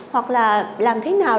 hoặc là làm thế nào